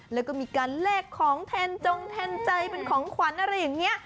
และมีกันเล็กของเทรนด์จงเทรนด์ใจเป็นของขวัญอะไรอย่างงี้